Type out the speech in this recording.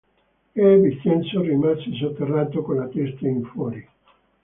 E Vincenzo rimase sotterrato con la testa in fuori.